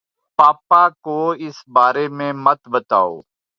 پاپا کو اِس بارے میں مت بتاؤ